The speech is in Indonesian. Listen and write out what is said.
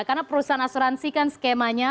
karena perusahaan asuransikan skemanya